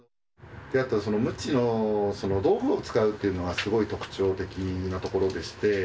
むちの、道具を使うというのが、すごい特徴的なところでして。